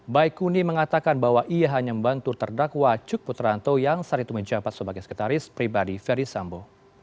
baikuni mengatakan bahwa ia hanya membantu terdakwa cuk putranto yang saat itu menjabat sebagai sekretaris pribadi ferry sambo